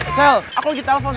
sel aku lagi telpon